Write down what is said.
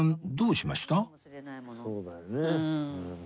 そうだよねうん。